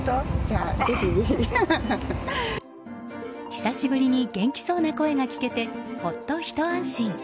久しぶりに元気そうな声が聞けて、ほっとひと安心。